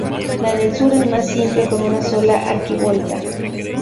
La del sur es más simple, con una sola arquivolta.